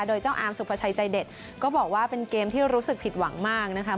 โดยเจ้าอามสุภาชัยใจเด็ดก็บอกว่าเป็นเกมที่รู้สึกผิดหวังมากนะคะ